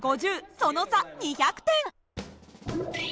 その差２００点。